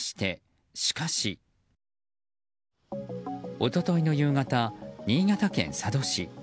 一昨日の夕方、新潟県佐渡市。